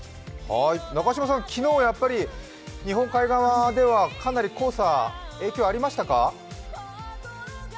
中島さん、昨日、やっぱり日本海側ではかなり、黄砂影響ありましたか？